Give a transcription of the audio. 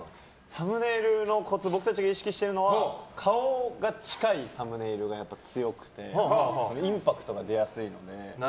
サムネイルのコツ僕たちが意識しているのは顔が近いサムネイルが強くてインパクトが出やすいので。